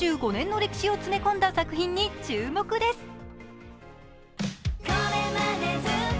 ２５年の歴史を詰め込んだ作品に注目です。